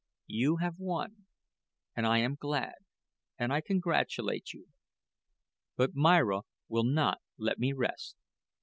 You have won, and I am glad and I congratulate you. But Myra will not let me rest.